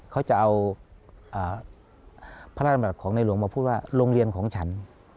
เขาจะเอาพระราชดำรัฐของในหลวงมาพูดว่าโรงเรียนของฉัน